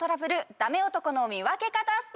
ダメ男の見分け方ＳＰ！